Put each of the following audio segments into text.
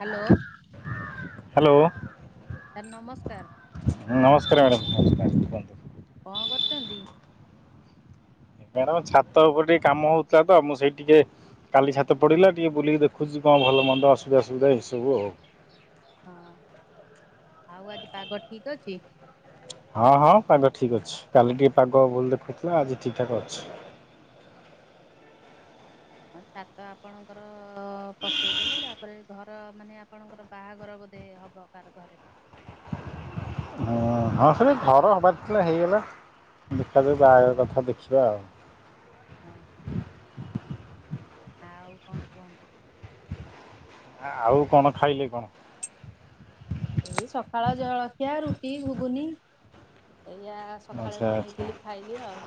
Hello hello. Sir ନମସ୍କାର। ଉଁ ନମସ୍କାର ମ୍ୟାଡ଼ ନମସ୍କାରକୁହନ୍ତୁ। କଣ କରୁଚନ୍ତି। ମ୍ୟାଡ଼ାମ ଛାତ ଉପରେ ଟିକେ କାମ ହୋଉଥିଲା ତ ମୁଁ ସେଇ ଟିକେ କାଲି ଛାତ ପଡ଼ିଲା ଟିକେ ବୁଲିକି ଦେଖୁଚି କଣ ଭଲ ମନ୍ଦ ଅସବିଧା ସୁବିଧା ଏଇସବୁ ଆଉ। ହଁ ଆଉ ଆଜି ପାଗ ଠିକ୍ ଅଛି। ହଁ ହଁ ପାଗ ଠିକ୍ ଅଛି କାଲି ଟିକେ ପାଗ ଭୁଲ ଦେଖୁଥିଲା ଆଜି ଠିକ୍ ଠାକ ଅଛି। ହଁ ଛାତ ଆପଣଙ୍କର ପକେଇଦେଲେ ତାପରେ ଘର ମାନେ ଆପଣଙ୍କର ବାହାଘର ବୋଧେ ହବ। ପାର୍ ଘରେ। ହଁ ହଁ ସେ ଘର ହବାର ଥିଲା ହେଇଗଲା ଦେଖାଯାଉ ବାହାଘର କଥା ଦେଖିବା ଆଉ। ହଁ ହ ଆଉ କଣ କୁହନ୍ତୁ। ଆଉ କଣ ଖାଇଲେ କଣ। ଏଇ ସକାଳ ଜଳଖିଆ ରୁଟି ଘୁଗୁନି ଏଇଆ ସ ସକାଳେ ଆଚ୍ଛା ଆଚ୍ଛା ବନେଇଥିଲି ଖାଇଲି ଆଉ।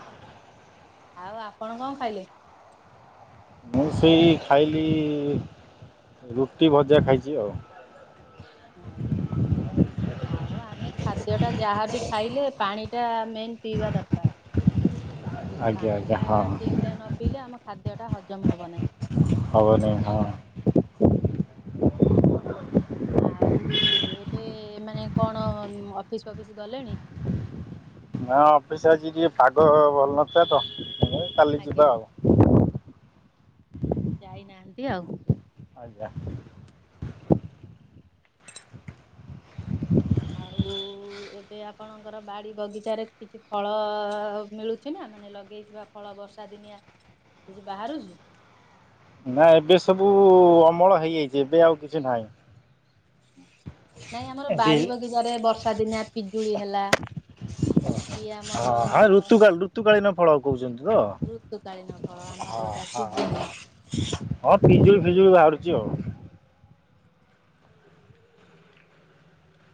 ଆଉ ଆପଣ କଂ ଖାଇଲେ। ମୁଁ ସେଇ ଖାଇଲି ରୁଟି ଭଜା ଖାଇଚି ଆଉ। [unintelligible] ଆଉ ଆମେ ଖାଦ୍ୟ ଟା ଯାହାବି ଖାଇଲେ ପାଣି ଟା ମେନ୍ ପିଇବା ଦର୍କାର୍। ଆଜ୍ଞା ପାଣି ଆଜ୍ଞା ଟା ହଁ ଠିକ୍ରେ ନ ପିଇଲେ ଆମ ଖାଦ୍ୟ ଟା ହଜମ ହବ ନାହିଁ। ହବନେଇ ହଁ। ଆଉ ଏବେ ମାନେ କଣ ଅଫିସ ଫଫିସ୍ ଗଲେଣି। ହଁ ଅଫିସ୍ ଆଜି ଟିକେ ପାଗ ଭଲ ନଥିଲା ତ। କାଲି ଯିବା ଆଜ୍ଞା ଆଉ ଯାଇନାହାନ୍ତି ଆଉ। ଆଜ୍ଞା। ଆଉ ଏବେ ଆପଣଙ୍କର ବାଡି ବଗିଚାରେ କିଛି ଫଳ ମିଳୁ ଛି ନା ମାନେ ଲଗେଇଥିବା ଫଳ ବର୍ଷା ଦିନିଆ କିଛି ବାହାରୁଛି। ନା ଏବେ ସବୁ ଅମଳ ହେଇଯାଇଚି ଏବେ ଆଉ କିଛି ନାହିଁ। ନାଇଁ ଆମର ଏବେ ବାଡି ବଗିଚାରେ ବର୍ଷା ଦିନିଆ ପିଜୁଳି ହେଲା। କି ଆମର ହଁ ହଁ ଋତୁକାଳ ଋତୁକାଳୀନ ଫଳ କହୁଚନ୍ତି ଋତୁକାଳୀନ ଫଳ ତ ଆମର ହଁ। ଯୋଉଟା ହଁ ସିଜିନି ହଁ ହଁ ପିଜୁଳି ଫିଜୁଳି ବାହାରୁଚି ଆଉ।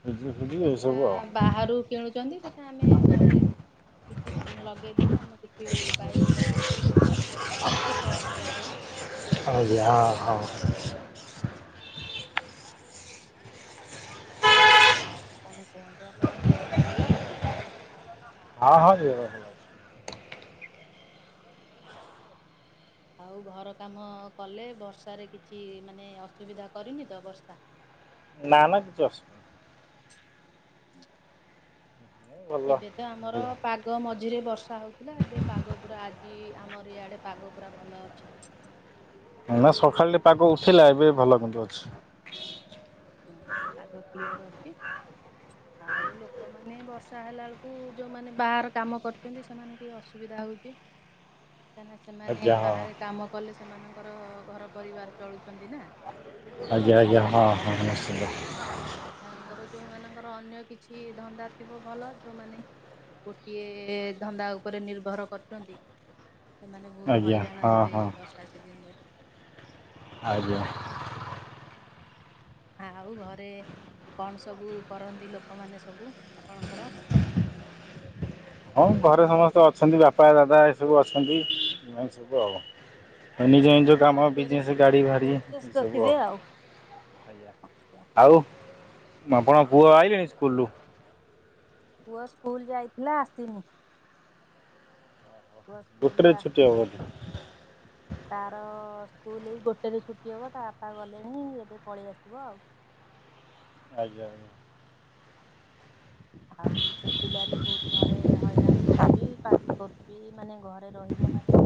ପିଜୁଳି ଫିଜୁଳି ଆମେ ଯଉଟା ଏସବୁ ଆଉ। ବାହାରୁ କିଣୁଚନ୍ତି ସେଟା ଆମେ ଘରେ କିଛି ଲଗେଇଦେଲେ ଆମେ କିଛି ପାଇଯିବା। ପନିପରିବା ହଉ କି ଫଳମୂଳ ହଉ। ଆଉ ଯା ହଁ। ଆଉ କଣ କୁହନ୍ତୁ ଆପଣ ଦେହ ପା ଭଲ ଅଛି? ହଁ ହଁ [unintelligible] ଆଉ ଘର କାମ କଲେ, ବର୍ଷାରେ କିଛି ମାନେ ଅସୁବିଧା କରିନି ତ ବର୍ଷା? ନା ନା କିଛି ଅସ ହୁଁ ନାହିଁ ଭଲ। ଏବେ ତ ଆମର ପା ପାଗ ମଝିରେ ବର୍ଷା ହଉଥିଲା ଏବେ ପାଗ ପୁରା ଆଜି ଆମର ଇଆଡେ ପାଗ ପୁରା ଭଲ ଅଛି। ନା ସକାଳେ ପାଗ ଉଠିଲା ଏବେ ଭଲ କିନ୍ତୁ ଅଛି। ହୁଁ ଏବେ ପାଗ କ୍ଲିଅର ଅଛି। ଆଉ ଲୋକମାନେ ବର୍ଷା ହେଲା ବେଳକୁ ଯୋଉମାନେ ବାହର କାମ କରୁଛନ୍ତି ସେମାନଙ୍କୁ ଟିକେ ଅସୁବିଧା ହଉଚି। କାହିଁକିନା ସେମାନେ ଆଜ୍ଞା ହଁ ବାହାରେ କାମ କଲେ ସେମାନଙ୍କର ଘର ପରିବାର ଚଳୁଛନ୍ତି ନା। ଆଜ୍ଞା ଆଜ୍ଞା ହଁ ହଁ [unintelligible] ମାନଙ୍କର ଯୋଉମାନଙ୍କର ଅନ୍ୟ କିଛି ଧନ୍ଦା ଥିବ ଭଲ ଯୋଉମାନେ ଗୋଟିଏ ଧନ୍ଦା ଉପରେ ନିର୍ଭର କରୁଛନ୍ତି। ସେମାନେ ବହୁତ ଆଜ୍ଞା ହଇରାଣ ହଁ ହେବେ ହଁ ଏଇ ବର୍ଷା ସିଜିନରେ। ଆଜ୍ଞା। ଆଉ ଘରେ କଣ ସବୁ କରନ୍ତି ଲୋକମାନେ ସବୁ ଆପଣଙ୍କର? ହଁ ଘରେ ସମସ୍ତେ ଅଛନ୍ତି ବାପା ଦାଦା ଏସବୁ ଅଛନ୍ତି ଏମତି ଆଉ। ନିଜ ନିଜ ସେମାନଙ୍କର କାମ କାର୍ଯ୍ୟରେ ବିଜନେସ୍ ଗାଡ଼ି ଫାଡ଼ି ବ୍ୟସ୍ତ ଏସବୁ ଥିବେ ଆଉ। ଆଜ୍ଞା ଆଉ ଆପଣଙ୍କ ପୁଅ ଆଇଲେଣି ସ୍କୁଲରୁ? ପୁଅ ସ୍କୁଲ ଯାଇଥିଲା ଆସିନି। ପୁଅ ଗୋଟେରେ ସ୍କୁଲରୁ ଛୁଟି ଆସ ହେବ ବୋଧେ [unintelligible] ତାର ସ୍କୁଲ ଏଇ ଗୋଟେରେ ଛୁଟି ହେବ, ତା ବାପା ଗଲେଣି ଏବେ ପଳେଇ ଆସିବ ଆଉ। ଆଜ୍ଞା ଆଜ୍ଞା। ଆଉ ସେ ପିଲାଟି ବହୁତ ଘରେ ହଇରାଣ କରୁ ଚି ପାଟି କରୁଚି ମାନେ ଘରେ ରହିବ ମାନେ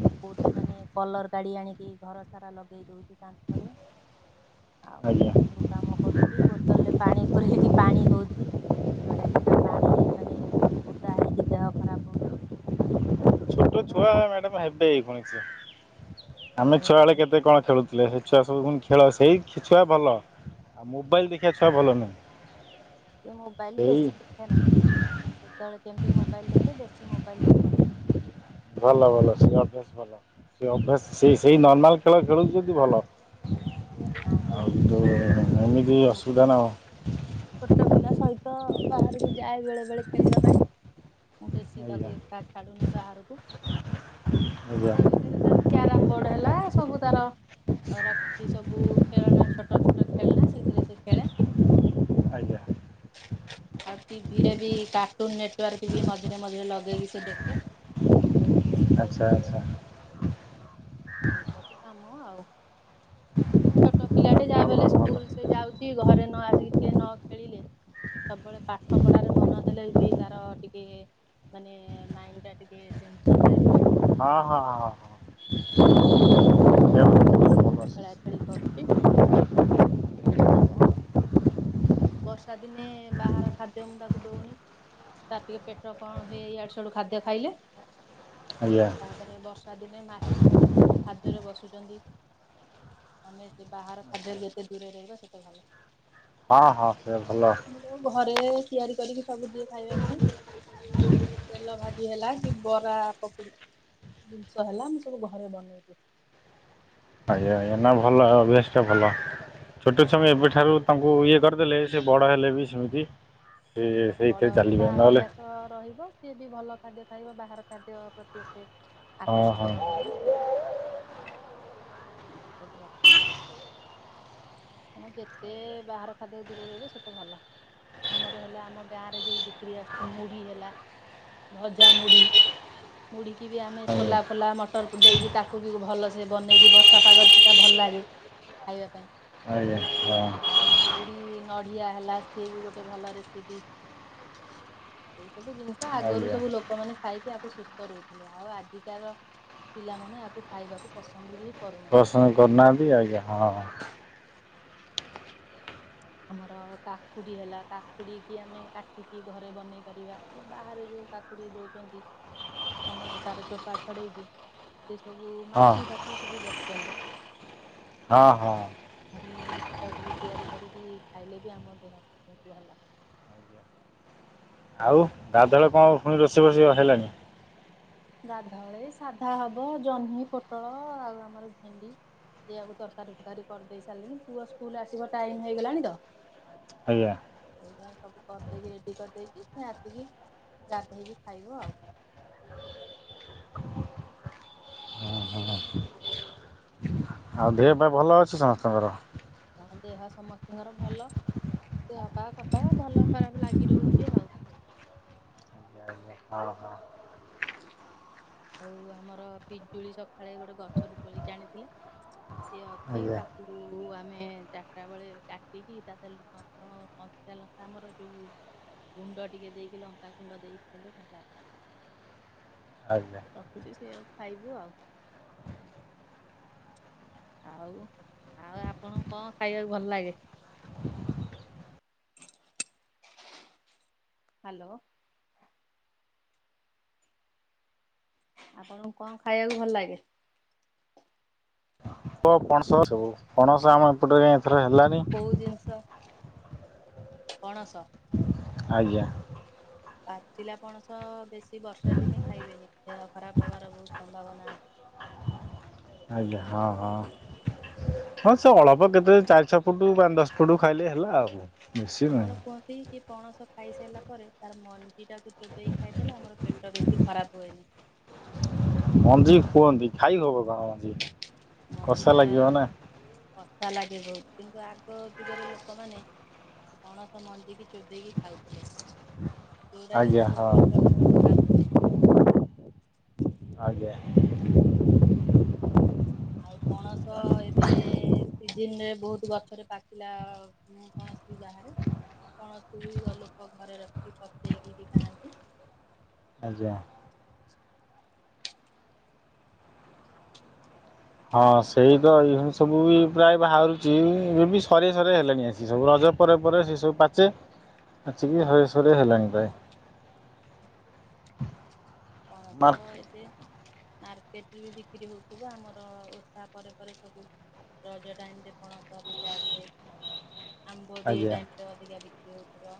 ସେ କୋଉଠି ମାନେ କଲର ଗାଡି ଆଣିକି ଘର ସାରା ଲଗେଇ ଦଉଚି କାନ୍ଥରେ। ଆଉ ଏଇ ଆଜ୍ଞା ସବୁ କାମ କରୁଚି, ବୋତଲରେ ପାଣି ପୁରେଇକି ପାଣି ଦଉଚି। ଯୋଉଟା କି ତା ପାଣି ମାନେ ଓଦା ହେଇକି ଦେହ ଖରାପ ହଉଚି। ଏବେ ଛୁଆ ମ୍ୟାଡାମ ହେବେ ହାଇ ଫାଇ [unintelligible] ଆମେ ଛୁଆ ବେଳେ ଏମତି କେତେ କଣ ଖେଳୁଛୁ। ହେଲେ ସେ ଛୁଆ ସବୁୁ କଁ ଖେଳ ସେଇ ଛୁଆ ଭଲ। ଆଉ ମୋବାଇଲ ଦେଖିବା ଛୁଆ ଭଲ ନୁହଁ। ସେ ମୋବାଇଲ ବେଶୀ ଦେଖେନା, କେତେବେଳେ କେମତି ମୋବାଇଲ ଦେଖେ ବେଶୀ ମୋବାଇଲ ଦେଖୁନି। ଭଲ ଭଲ ସେ ଅଭ୍ୟାସ ଭଲ। ସେ ଅଭ୍ୟାସ ସେ ସେଇ ନର୍ମାଲ ଖେଳ ଖେଳୁଛି ଯଦି ଭଲ। ଆଉ ତୁ ଏମିତି ଆଉ ଅସୁବିଧା ନା। ଛୋଟ ପିଲା ସହିତ ବାହାରକୁ ଯାଏ ବେଳେ ବେଳେ ଖେଳିବା ପାଇଁ, ମୁଁ ବେଶୀ ଆଜ୍ଞା ତାକୁ ଏକା ଛାଡୁନି ବାହାରକୁ, ଆଜ୍ଞା ଘର ଭିତ ରେ ତାର କ୍ୟାରମ ବୋର୍ଡ ହେଲା ସବୁ ତାର ରଖିଛି ସବୁ ଖେଳନା ଛୋଟ ଛୋଟ ଖେଳନା ସେଇଥିରେ ସେ ଖେଳେ। ଆଜ୍ଞା ଆଉ ଟି ଭି ରେ ବି କାର୍ଟୁନ ନେଟୱାର୍କ ବି ମଝିରେ ମଝିରେ ଲଗେଇକି ସେ ଦେଖେ। ଆଚ୍ଛା ଆଚ୍ଛା। ଏଇ ସବୁ କାମ ଆଉ। ଛୋଟ ପିଲାଟେ ଯାହାବି ଭଲ ହେଲେ ଭଲ ସ୍କୁଲ ସେ ଯାଉଚି ଘରେ ନ ଆସିକି ଟିକେ ନ ଖେଳିଲେ ସବୁବେଳେ ପାଠ ପଢାରେ ମନ ଦେଲେ ବି ତାର ଟିକେ ମାନେ ମାଇଣ୍ଡଟା ଟିକେ ଟେନସନ୍ ଟାଇପର ହଁ ହଁ ହଁ। ସେ ଭଲ [unintelligible] ଖେଳାଖେଳି କରୁଚି, ତୁ କାମ ଆଉ। ବର୍ଷା ଦିନେ ବାହାର ଖାଦ୍ୟ ମୁଁ ତାକୁ ଦଉନି। ତାର ଟିକେ ପେଟ କଣ ହୁଏ। ଇଆଡୁ ସଆଡୁ ଖାଦ୍ୟ ଖାଇଲେ। ଆଜ୍ଞା। ତାପରେ ବର୍ଷା ଦିନେ ମାଛି ଫାଛି ସବୁ ଖାଦ୍ୟରେ ବସୁ ଆମେ ସେ ବାହାର ଖାଦ୍ୟରେ ଯେତେ ଦୂରେରେ ରହିବା। ସେତେ ଭଲ। ହଁ ହଁ ସେ ଭଲ। ମୁଁ ଘରେ ତିଆରି କରିକି ସବୁ ଦିଏ ଖାଇବା ପାଇଁ। ତେଲ ଭାଜି ହେଲା କି ବରା ପକୁଡ଼ି ଜିନିଷ ହେଲା ମୁଁ ସବୁ ଘରେ ବନେଇବି। ଆଜ୍ଞା ଆଜ୍ଞା ନା ଭଲ ଅଭ୍ୟାସ ଟା ଭଲ। ଛୋଟ ଛୁଆମାନଙ୍କୁ ଏବେଠାରୁ ତାଙ୍କୁ ଇଏ କରିଦେଲେ ବଡ ହେଲେ ବି ସେମିତି ସେ ବଡ ସେଇଥିରେ ହେଲେ ତା ଚାଲିବେ ନହେଲେ ଅଭ୍ୟାସ ରହିବ। ସଏ ବି ଭଲ ଖାଦ୍ୟ ଖାଇବ। ବାହାର ଖାଦ୍ୟ ପ୍ରତି ଏତେ ହଁ ଆକର୍ଷିତ ହଁ ହବନି। ଏସବୁ କଥା ଆଉ। ତମେ ଯେତେ ବାହାର ଖାଦ୍ୟରୁ ଦୂରରେ ରହିବ ସେତେ ଭଲ। ଆମର ହେଲା ଆମ ଗାଁ ରେ ଯୋଉ ବିକ୍ରି ଆସୁଛି। ମୁଢି ହେଲା। ଭଜା ମୁଢି଼। ମୁଢ଼ି ବି ଆମେ ଆଜ୍ଞା ସୋଲା ଫୋଲା ମଟର ଦେଇକି ତାକୁ ବି ଭଲସେ ବନେଇକି ବଷ ତା ପାଗର ସେଟା ଭଲ ଲାଗେ। ଖାଇବା ପାଇଁ। ଆଜ୍ଞା। ହ ଆଉ ମୁଢି ନଡ଼ିଆ ହେଲା ସିଏ ବି ଗୋଟେ ଭଲ ରେସିପି। ଏଇ ସବୁ ଜିନିଷ ଆଗରୁ ଆଜ୍ଞା ସବୁ ଲୋକମାନେ ଖାଇକି ଆକୁ ସୁସ୍ଥ ରହୁଥିଲେ। ଆଉ ଆଜିକାର ପିଲାମାନେ ଆକୁ ଖାଇବାକୁ ପସନ୍ଦ କି ପ୍ରଶନ କରୁନାହାନ୍ତି ବି ଆଜ୍ଞା। ହଁ ଆମର କାକୁଡ଼ି ହେଲା କାକୁଡି କୁ ଆମେ କାଟିକି ଘରେ ବନେଇ ପାରିବା। ବାହାରେ ଯୋଉ କାକୁଡି ଦଉଛନ୍ତି। ମାନେ ତାର ଚୋପା ଛଡେଇକି। ସେ ସବୁ ହଁ ମାଛି ଫାଛି ସବୁ ବସୁଛନ୍ତି। ହଁ ହଁ। ମତେ ସେଟାକୁ ବି ତିଆରି କରିକି ଖାଇଲେ ବି ଆମ ଦେହକୁ ଭଲ। ଆଉ ଗାଧଳ କଣ ପୁଣି ରୋଷେଇ ରୋଷେଇ ହେଲାନି। ଗାଧଳ ବେଳେ ସାଧା ହବ ଜହ୍ନି ପୋଟଳ ଆଉ ଆମର ଭେଣ୍ଡି। ସେଇଆକୁ ତରକାରୀ ଫରକାରୀ କରିଦେଇ ସାରିଲିଣି। ପୁଅ ସ୍କୁଲ ଆସିବ ଟାଇମ ହେଇଗଲାଣି ତ। ଆଜ୍ଞା। ସେଇପାଇ ସବୁ କରିଦେଇକି ରେଡ଼ି କରିଦେଇଚି। ସେ ଆସିକି ଗାଧୋଇକି ଖାଇବୁ ଆଉ। ହୁ ହୁ। ଆଉ ଦେହ ପା ଭଲ ଅଛି ସମସ୍ତଙ୍କର? ହଁ ଦେହ ସମସ୍ତଙ୍କର ଭଲ। ଦେହ ପା ଭଲ ଖରାପ ଲାଗି ରହୁଛି ଆଉ। ହଁ ହଁ। ବୋଉ ଆମର ପିଜୁଳି ସକାଳେ ଗୋଟେ ଗଛରୁ ତୋଳିକି ଆଣିଥିଲେ। ସିଏ ଅଛି। ଆଜ୍ଞା ତାକୁ ଆମେ ଚାରିଟା ବେଳେ କାଟିକିତତା ସହ ଲୁଣ ଫୁଣ ଚାଲ ଆମର ଯୋଉ ଗୁଣ୍ଡ ଟିକେ ଦେଇକି ଲଙ୍କା ଗୁଣ୍ଡ ଦେଇକି ଖଇଲେ ଭଲ ଲାଗେ। ଆଜ୍ଞା। ରଖୁଛିୁ ସେଇଆକୁ ଖାଇବୁ ଆଉ। ଆଉ ଆଉ ଆପଣଙ୍କୁ କଣ ଖାଇବାକୁ ଭଲ ଲାଗେ? ହ୍ୟାଲୋ। ଆପଣଙ୍କୁ କଣ ଖାଇବାକୁ ଭଲ ଲାଗେ? ଆମ୍ବ ପଣସ ସବୁ ପଣସ ଆମ ଏପଟେ କାଇଁ ଏଥର ହେଲାନି। କୋଉ ଜିନିଷ? ପଣସ। ଆଜ୍ଞା। ପାଚିଲା ପଣସ ବେଶୀ ବର୍ଷା ଦିନେ ଖାଇବେନି। ଦେହ ଖରାପ ହବାର ବହୁତ ସମ୍ଭାବନା ଅଛି। ଆଜ୍ଞା ହଁ ହଁ ହଁ ସେ ଅଳ୍ପ କେତେବେଳେ ଚାରି ଛଅ ଫୁଟ ପା ଦଶ ସଟୁ ଖାଇଲେ ହେଲା ଆଉ ମିଶ ନହିଁ। କିଏ ପଣସ ଖାଇସାରିଲା ପରେ ତାର ମଞ୍ଜିଟାକୁ ଚୋବେଇ ଖାଇଦେଲେ ଆମର ପେଟ ବେଶୀ ଖରାପ ହୁଏନି। ମଞ୍ଜି କୁହନ୍ତି ଖାଇ ହବ କଣ? [inaudible] କଷା ମନ୍ଦିରା ଲାଗିବ ନା କଥା ଲାଗେ ବହୁତ କିନ୍ତୁ ଆଗ ଯୁଗରେ ଲୋକମାନେ ପଣସ ମଞ୍ଜିିକି ଚୋବେଇକି ଖାଉଥିଲେ। ଯଉରା କି ଆଜ୍ଞା ତାଙ୍କ ହଁ ପେଟ ଫେଟ ଖରାପ ହୁଏନ୍। ଆଜ୍ଞା। ଆଉ ପଣସ ଏବେ ସିଜିନରେ ବହୁତ ଗଛରେ ପାଚିଲା ମୁଁ କୌଣସି ବାହାରେ କୌଣସି ବି ଲୋକ ଘରେ ରଖିକି ପଚେଇକି ବି ଖାଆନ୍ତି। ଆଜ୍ଞା। ହଁ ସେଇ ତ ଏଇଭ ସବୁ ବି ପ୍ରାୟ ବାହାରୁଛି ଏବେ ବି ସରିବା ସରିବା ହେଲାଣି ଆସି ସବୁ ରଜ ପରେ ପରେ ସେ ସବୁ ପାଚେ ପାଚିକି ହରେ ସରେ ହେଲାଣି ପାଏ। ପଣ ତ- ମାର୍କ ଏବ୍ ମାର୍କେଟରେ ବି ବିକ୍ରି ହଉଥିବ ଆମର ଓଷା ପରେ ପରେ ସବୁ ରଜ ଟାଇମ ରେ କଣସ ଅଧିକା ଆସେ। ଆମ୍ବ ଆଜ୍ଞା ଦିଇଟାଟରେ ଅଧିକା ବିକ୍ରି ହଉଥିବ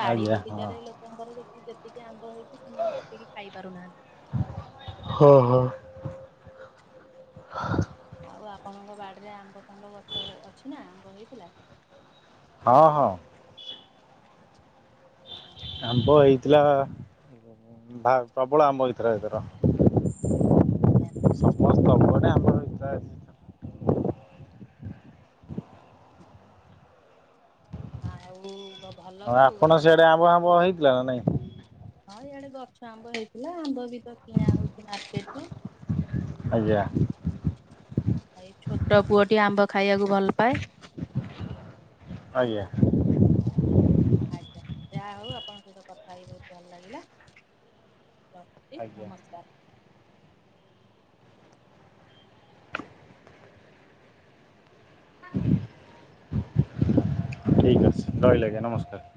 ବାଡି ଆଜ୍ଞା ବଗିଚାରେ ଲୋକ ଲୋକଙ୍କର ଯେ- ଯେତିକି ଆମ୍ବ ହେଇଛି ସେମାନେ ସେତିକି ଖାଇ ପାରୁନାହାନ୍ତି। ହ ହ। ଆଉ ଆପଣଙ୍କ ବାଡ଼ିରେ ଆମ୍ବ ଫାମ୍ବ ଗଛ ଅଛି ନା? ଆମ୍ବ ହେଇଥିଲା? ହଁ ହଁ। ହଁ। ଆମ୍ବ ହେଇଥିଲା ଭା-ପ୍ରବଳ ଆମ୍ବ ହେଇଥିଲା ଏଥର। ସମସ୍ତ [inaudible] ଆମର ହେଇଥିଲା ଆଉ ଭଲ ସବୁ ଘରେ ସମ ପୁଅ ହେଇଥିଲା ନା ନାଇଁ? ହଁ ଇଆଡେ ଗଛ ଆମ୍ବ ହେଇଥିଲା ଆମ୍ବ ବି ତ କିଣା ହଉଛି ମାର୍କେଟ ରୁ। ଆଜ୍ଞା। ଏଇ ଛୋଟ ପୁଅଟି ଆମ୍ବ ଖାଇବାକୁ ଭଲ ପାଏ। ଆଜ୍ଞା। ଆଜ୍ଞା ଯାହା ହଉ ଆପଣଙ୍କ ସହିତ କଥା ହେଇ ବହୁତ ଭଲ ଲାଗିଲା। ରଖୁଛି ଆଜ୍ଞା ନମସ୍କାର। ଠିକ ଅଛି ରହିଲି ଆଜ୍ଞା ନମସ୍କାର।